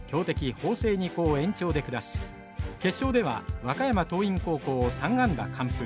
法政二高を延長で下し決勝では和歌山桐蔭高校を３安打完封。